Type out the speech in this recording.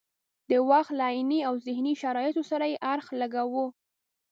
د وخت له عیني او ذهني شرایطو سره یې اړخ لګاوه.